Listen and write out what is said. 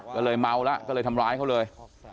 ก็เลยเมาแล้วก็เลยทำร้ายเขาเลย